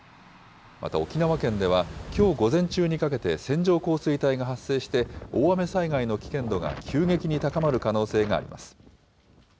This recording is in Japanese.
また沖縄県ではきょう午前中にかけて線状降水帯が発生して、大雨災害の危険度が急激に高まる可能性があります。